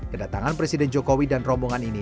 kedatangan presiden jokowi dan rombongan ini